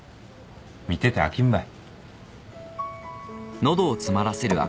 見てて飽きんばい。